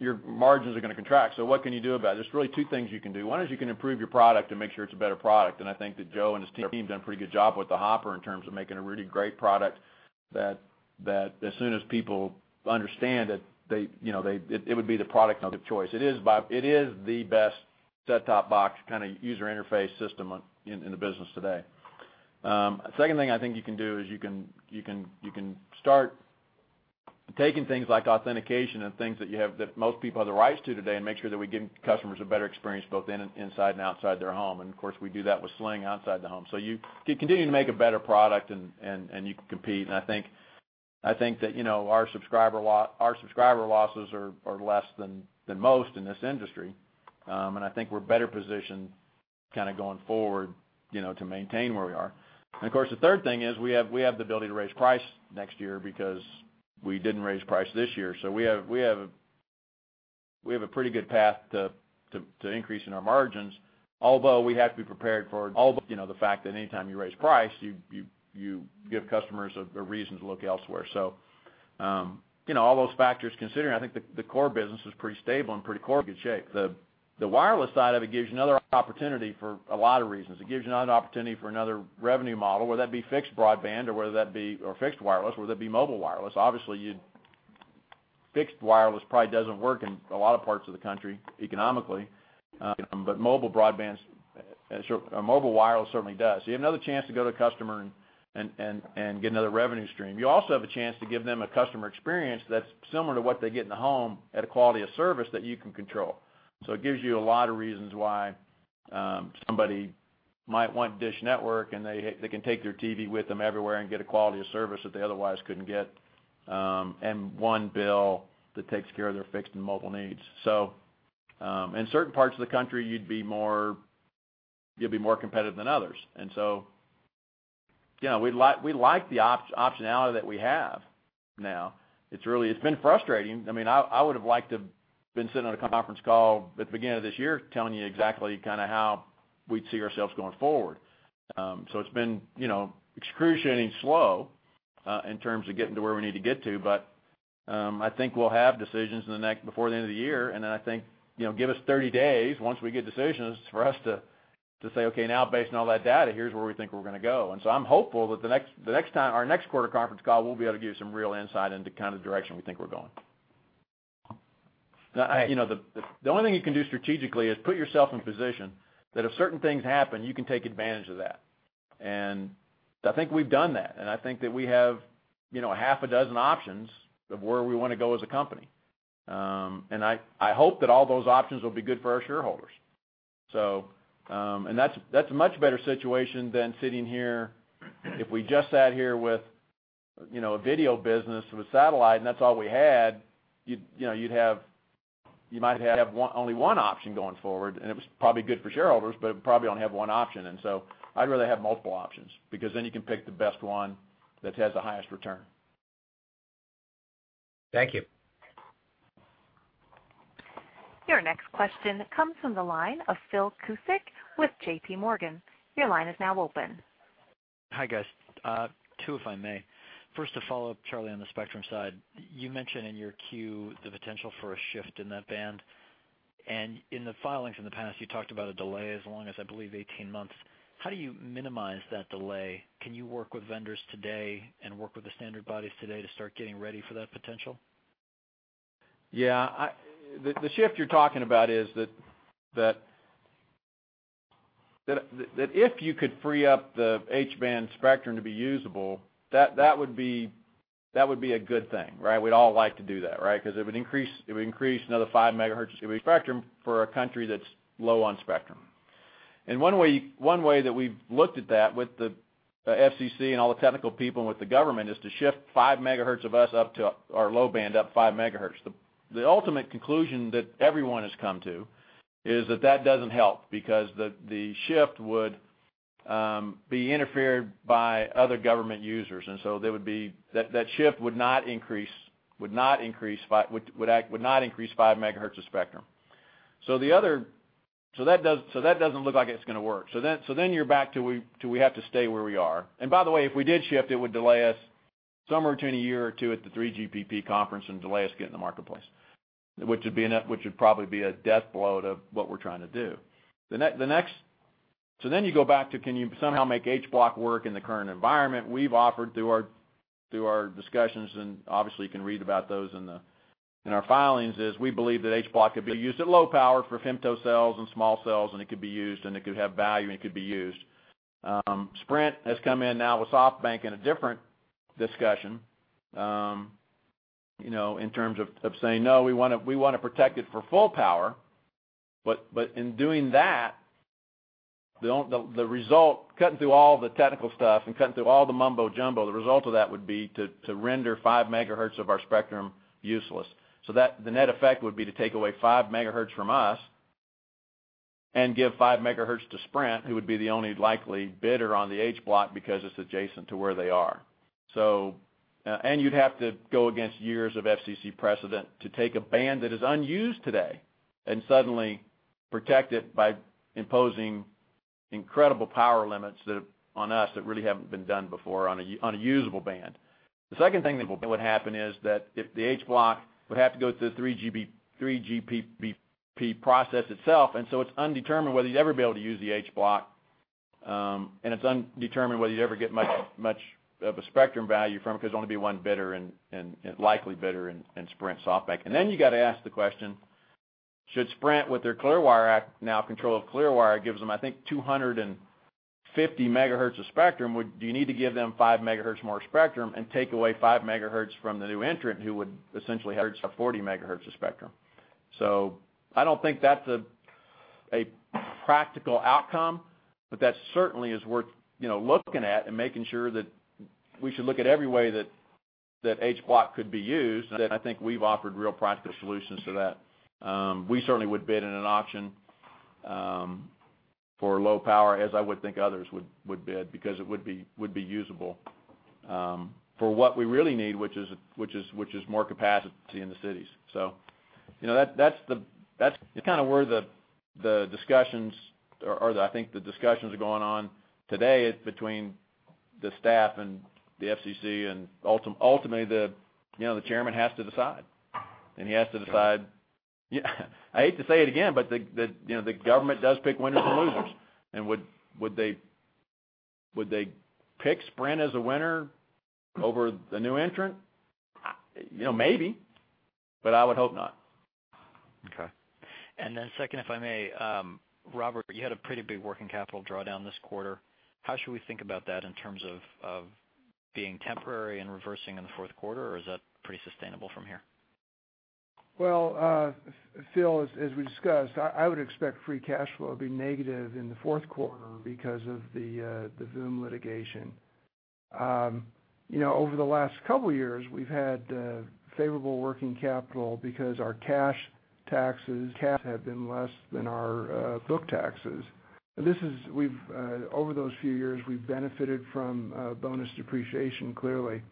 your margins are gonna contract, so what can you do about it? There's really two things you can do. One is you can improve your product and make sure it's a better product, and I think that Joe and his team have done a pretty good job with the Hopper in terms of making a really great product that as soon as people understand it, they, you know, it would be the product of choice. It is the best set-top box kinda user interface system in the business today. Second thing I think you can do is you can start taking things like authentication and things that most people have the rights to today, and make sure that we're giving customers a better experience both in and inside and outside their home. Of course, we do that with Sling outside the home. You continue to make a better product and you can compete. I think that, you know, our subscriber losses are less than most in this industry. I think we're better positioned kinda going forward, you know, to maintain where we are. Of course, the third thing is we have the ability to raise price next year because we didn't raise price this year. We have a pretty good path to increasing our margins. Although we have to be prepared for all of, you know, the fact that anytime you raise price, you give customers a reason to look elsewhere. You know, all those factors considering, I think the core business is pretty stable and pretty core good shape. The wireless side of it gives you another opportunity for a lot of reasons. It gives you another opportunity for another revenue model, whether that be fixed broadband or fixed wireless, whether that be mobile wireless. Obviously, fixed wireless probably doesn't work in a lot of parts of the country economically, but mobile broadband's mobile wireless certainly does. You have another chance to go to customer and get another revenue stream. You also have a chance to give them a customer experience that's similar to what they get in the home at a quality of service that you can control. It gives you a lot of reasons why somebody might want DISH Network, and they can take their TV with them everywhere and get a quality of service that they otherwise couldn't get, and one bill that takes care of their fixed and mobile needs. In certain parts of the country, you'd be more competitive than others. You know, we like the opt-optionality that we have now. It's been frustrating. I mean, I would've liked to been sitting on a conference call at the beginning of this year telling you exactly kind of how we'd see ourselves going forward. It's been, you know, excruciatingly slow in terms of getting to where we need to get to, but I think we'll have decisions before the end of the year. I think, you know, give us 30 days once we get decisions for us to say, "Okay, now based on all that data, here's where we think we're gonna go." I'm hopeful that the next time our next quarter conference call, we'll be able to give you some real insight into kind of the direction we think we're going. Now, you know, the only thing you can do strategically is put yourself in position that if certain things happen, you can take advantage of that. I think we've done that, I think that we have, you know, half a dozen options of where we wanna go as a company. I hope that all those options will be good for our shareholders. That's a much better situation than sitting here. If we just sat here with, you know, a video business with satellite and that's all we had, you'd, you know, only one option going forward, and it was probably good for shareholders, but it probably only have one option. I'd rather have multiple options because then you can pick the best one that has the highest return. Thank you. Your next question comes from the line of Phil Cusick with JPMorgan. Your line is now open. Hi, guys. Two, if I may. First, to follow up, Charlie, on the spectrum side. You mentioned in your Q the potential for a shift in that band. In the filings in the past, you talked about a delay as long as, I believe, 18 months. How do you minimize that delay? Can you work with vendors today and work with the standard bodies today to start getting ready for that potential? The shift you're talking about is that if you could free up the H-band spectrum to be usable, that would be a good thing, right? We'd all like to do that, right? 'Cause it would increase another 5 MHz of spectrum for a country that's low on spectrum. One way that we've looked at that with the FCC and all the technical people with the government is to shift 5 MHz of us up to, or low band up 5 MHz. The ultimate conclusion that everyone has come to is that that doesn't help because the shift would be interfered by other government users. That shift would not increase 5 MHz of spectrum. That doesn't look like it's gonna work. Then you're back to we have to stay where we are. By the way, if we did shift, it would delay us somewhere between a year or two at the 3GPP conference and delay us getting to marketplace, which would probably be a death blow to what we're trying to do. Then you go back to, can you somehow make H Block work in the current environment? We've offered through our discussions, and obviously, you can read about those in our filings, is we believe that H Block could be used at low power for femtocells and small cells, and it could be used, and it could have value, and it could be used. Sprint has come in now with SoftBank in a different discussion, you know, in terms of saying, "No, we wanna protect it for full power." In doing that, the result, cutting through all the technical stuff and cutting through all the mumbo jumbo, the result of that would be to render 5 MHz of our spectrum useless. The net effect would be to take away 5 MHz from us and give 5 MHz to Sprint, who would be the only likely bidder on the H Block because it's adjacent to where they are. You'd have to go against years of FCC precedent to take a band that is unused today and suddenly protect it by imposing incredible power limits on us that really haven't been done before on a usable band. The second thing that will happen is that if the H Block would have to go through 3GPP process itself. It's undetermined whether you'd ever be able to use the H Block, and it's undetermined whether you ever get much of a spectrum value from it 'cause only be one bidder and likely bidder in Sprint SoftBank. Then you gotta ask the question, should Sprint with their Clearwire now control of Clearwire gives them, I think, 250 MHz of spectrum. Do you need to give them 5 MHz more spectrum and take away 5 MHz from the new entrant who would essentially have 40 MHz of spectrum? I don't think that's a practical outcome, but that certainly is worth, you know, looking at and making sure that we should look at every way that H Block could be used. I think we've offered real practical solutions to that. We certainly would bid in an auction for low power, as I would think others would bid because it would be usable for what we really need, which is more capacity in the cities. You know, that's kind of where the discussions or I think the discussions are going on today between the staff and the FCC and ultimately, you know, the chairman has to decide. He has to decide Yeah, I hate to say it again, but the, you know, the government does pick winners and losers. Would they pick Sprint as a winner over the new entrant? You know, maybe, but I would hope not. Okay. Second, if I may, Robert, you had a pretty big working capital drawdown this quarter. How should we think about that in terms of being temporary and reversing in the fourth quarter? Or is that pretty sustainable from here? Phil, as we discussed, I would expect free cash flow to be negative in the fourth quarter because of the Voom litigation. You know, over the last couple years, we've had favorable working capital because our cash taxes, cash have been less than our book taxes. This is we've over those few years, we've benefited from bonus depreciation, clearly.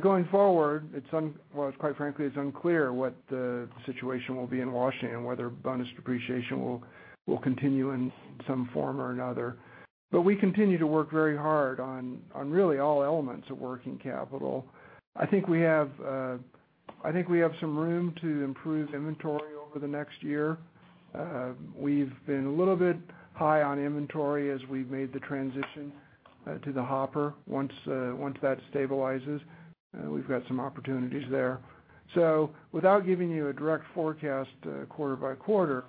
Going forward, it's unclear what the situation will be in Washington, whether bonus depreciation will continue in some form or another. We continue to work very hard on really all elements of working capital. I think we have some room to improve inventory over the next year. We've been a little bit high on inventory as we've made the transition to the Hopper. Once that stabilizes, we've got some opportunities there. Without giving you a direct forecast, quarter by quarter,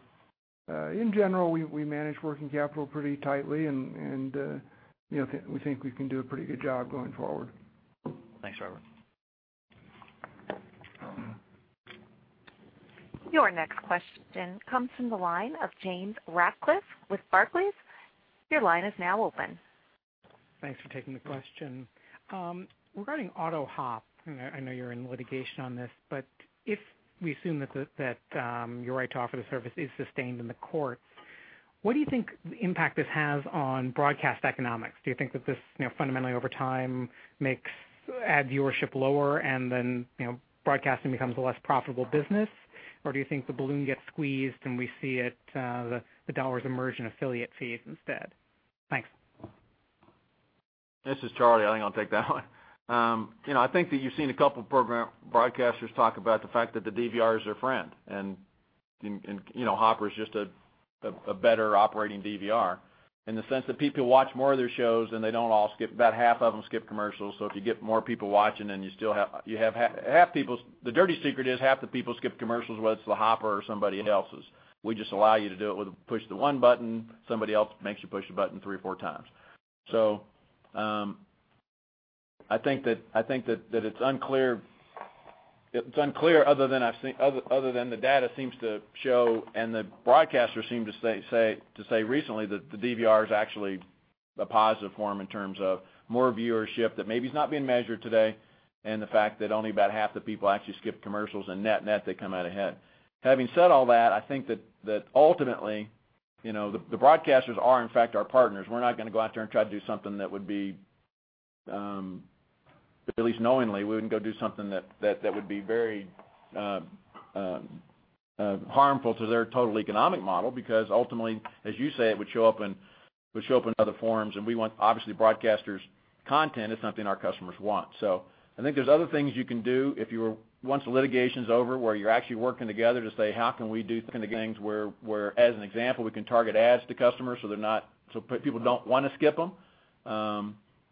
in general, we manage working capital pretty tightly and, you know, we think we can do a pretty good job going forward. Thanks, Robert. Your next question comes from the line of James Ratcliffe with Barclays. Your line is now open. Thanks for taking the question. Regarding AutoHop, I know you're in litigation on this, but if we assume that your right to offer the service is sustained in the courts, what do you think the impact this has on broadcast economics? Do you think that this, you know, fundamentally over time makes ad viewership lower, you know, broadcasting becomes a less profitable business? Do you think the balloon gets squeezed and we see the dollars emerge in affiliate fees instead? Thanks. This is Charlie. I think I'll take that one. You know, I think that you've seen a couple program broadcasters talk about the fact that the DVR is their friend. And, you know, Hopper is just a better operating DVR in the sense that people watch more of their shows and they don't all skip, about half of them skip commercials. If you get more people watching, you still have half people. The dirty secret is half the people skip commercials, whether it's the Hopper or somebody else's. We just allow you to do it with push the one button. Somebody else makes you push a button three or four times. I think that it's unclear other than the data seems to show and the broadcasters seem to say recently that the DVR is actually a positive form in terms of more viewership that maybe is not being measured today, and the fact that only about half the people actually skip commercials and net, they come out ahead. Having said all that, I think that ultimately, you know, the broadcasters are, in fact, our partners. We're not gonna go out there and try to do something that would be, at least knowingly, we wouldn't go do something that would be very harmful to their total economic model because ultimately, as you say, it would show up in other forms. We want obviously broadcasters' content is something our customers want. I think there's other things you can do once the litigation's over, where you're actually working together to say, "How can we do certain things where, as an example, we can target ads to customers so they're not, so people don't wanna skip them?"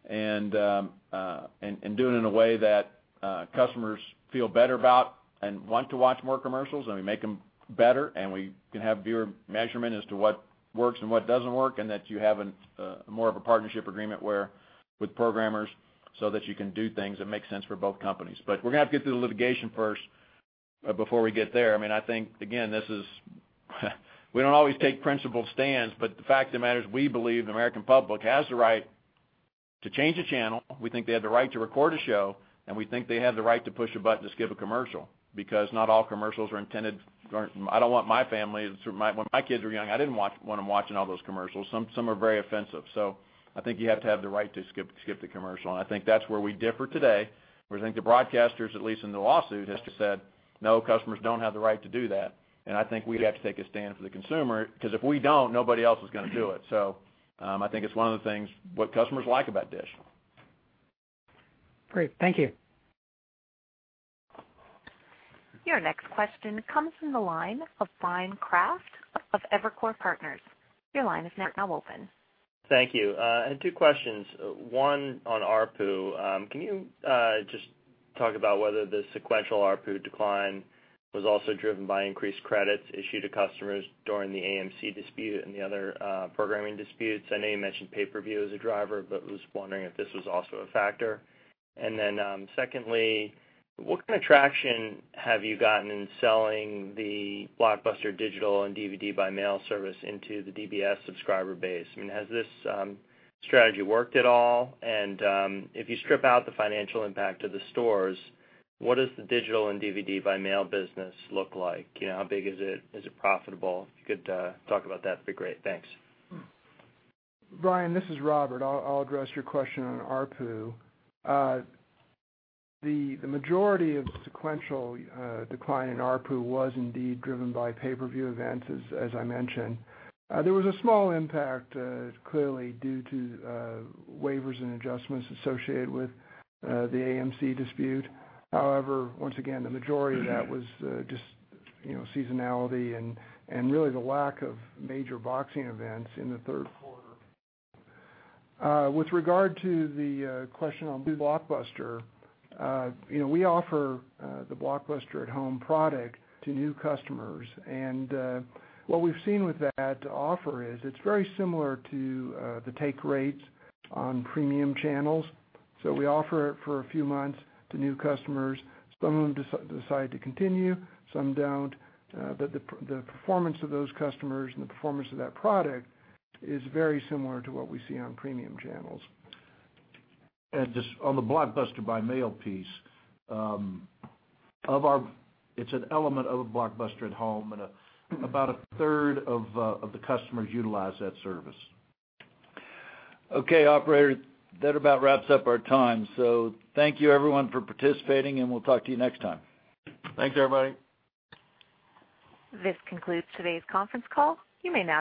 And do it in a way that customers feel better about and want to watch more commercials, and we make them better, and we can have viewer measurement as to what works and what doesn't work, and that you have a more of a partnership agreement with programmers so that you can do things that make sense for both companies. We're gonna have to get through the litigation first before we get there. I mean, I think, again, this is, we don't always take principled stands. The fact of the matter is we believe the American public has the right to change a channel. We think they have the right to record a show. We think they have the right to push a button to skip a commercial because not all commercials are intended. I don't want my family, so when my kids were young, I didn't want them watching all those commercials. Some are very offensive. I think you have to have the right to skip the commercial. I think that's where we differ today. We think the broadcasters, at least in the lawsuit, has just said, "No, customers don't have the right to do that." I think we have to take a stand for the consumer, 'cause if we don't, nobody else is gonna do it. I think it's one of the things what customers like about DISH. Great. Thank you. Your next question comes from the line of Bryan Kraft of Evercore Partners. Your line is now open. Thank you. I had two questions. One on ARPU. Can you just talk about whether the sequential ARPU decline was also driven by increased credits issued to customers during the AMC dispute and the other programming disputes? I know you mentioned pay-per-view as a driver, was wondering if this was also a factor. Secondly, what kind of traction have you gotten in selling the Blockbuster digital and DVD by mail service into the DBS subscriber base? I mean, has this strategy worked at all? If you strip out the financial impact of the stores, what does the digital and DVD by mail business look like? You know, how big is it? Is it profitable? If you could talk about that, it'd be great. Thanks. Bryan, this is Robert. I'll address your question on ARPU. The majority of the sequential decline in ARPU was indeed driven by pay-per-view events, as I mentioned. There was a small impact, clearly due to waivers and adjustments associated with the AMC dispute. However, once again, the majority of that was just, you know, seasonality and really the lack of major boxing events in the third quarter. With regard to the question on Blockbuster, you know, we offer the Blockbuster @Home product to new customers. What we've seen with that offer is it's very similar to the take rates on premium channels. We offer it for a few months to new customers. Some of them decide to continue, some don't. The performance of those customers and the performance of that product is very similar to what we see on premium channels. Just on the Blockbuster by mail piece, it's an element of Blockbuster @Home, and about a third of the customers utilize that service. Okay, operator, that about wraps up our time. Thank you everyone for participating, and we'll talk to you next time. Thanks, everybody. This concludes today's conference call. You may now disconnect.